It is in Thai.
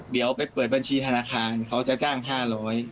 เดี๋ยวไปเปิดบัญชีธนาคารเขาจะจ้าง๕๐๐บาท